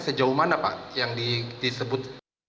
sejauh mana pak yang disebut